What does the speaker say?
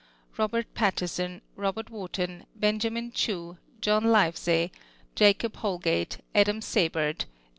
Jlobert Patterson, ^ IJoIiert Wliarton, Benjamin Cliew, John Live/.ey, Jacob Holg'ate, Adam Seybert, Ja.